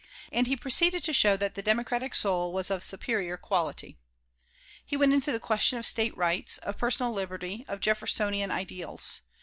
And he proceeded to show that the Democratic soul was of superior quality He went into the question of State rights, of personal liberty, of "Jeffersonian ideals."